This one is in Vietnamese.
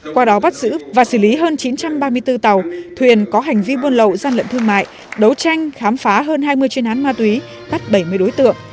qua đó bắt giữ và xử lý hơn chín trăm ba mươi bốn tàu thuyền có hành vi buôn lậu gian lận thương mại đấu tranh khám phá hơn hai mươi chuyên án ma túy bắt bảy mươi đối tượng